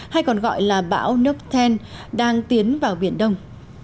hay còn gọi là bão nucken đang tiến vào biển đông